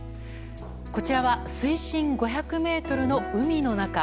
こちらは水深５００ｍの海の中。